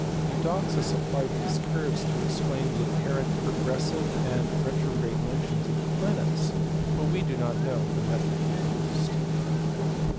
Eudoxus applied these curves to explain the apparent progressive and retrograde motions of the planets, but we do not know the method he used.